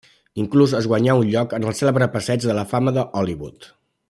Inclús es guanyà un lloc en el cèlebre passeig de la Fama de Hollywood.